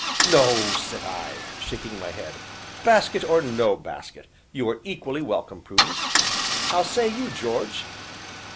"No," said I, shaking my head, "basket or no basket, you are equally welcome, Prudence how say you, George?"